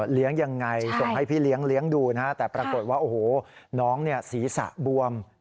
ยังไงส่งให้พี่เลี้ยงเลี้ยงดูนะฮะแต่ปรากฏว่าโอ้โหน้องศีรษะบวม